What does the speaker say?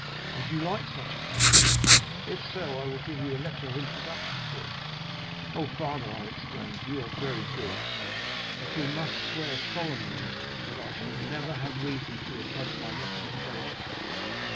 Would you like such a post? If so, I will give you a letter of introduction to him.' "'Oh, father,' I exclaimed, 'you are very good.' "'But you must swear solemnly that I shall never have reason to repent my recommendation.